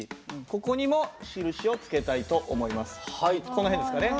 この辺ですかね。